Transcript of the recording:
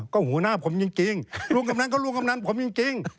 ก็หัวหน้าผมจริงลุงกำนันก็ลุงกำนันผมจริง